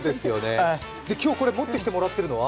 今日これ持ってきてもらっているのは？